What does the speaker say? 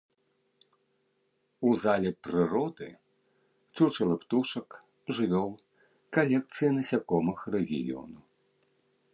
У зале прыроды чучалы птушак, жывёл, калекцыі насякомых рэгіёну.